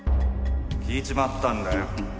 聞いちまったんだよ。